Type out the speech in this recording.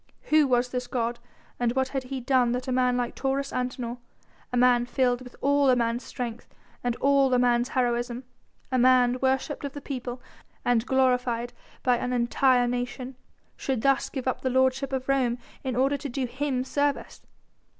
Who was this god? and what had he done that a man like Taurus Antinor a man filled with all a man's strength and all a man's heroism, a man worshipped of the people and glorified by an entire nation should thus give up the lordship of Rome in order to do him service?